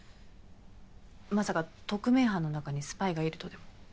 まさか特命班の中にスパイがいるとでも？